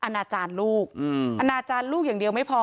นานาจารย์ลูกอนาจารย์ลูกอย่างเดียวไม่พอ